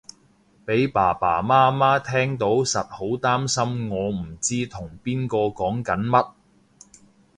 俾爸爸媽媽聽到實好擔心我唔知同邊個講緊乜